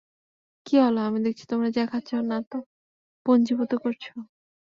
কি হল, আমি দেখছি, তোমরা যা খাচ্ছো না তা পুঞ্জিভূত করছো!